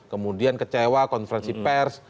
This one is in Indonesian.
kemudian kecewa konferensi pers